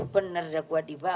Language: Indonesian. bener dah gua dibahas itu